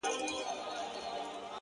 • د پاچا په انتخاب کي سر ګردان وه,